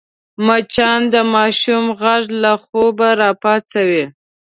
مچان د ماشوم غږ له خوبه راپاڅوي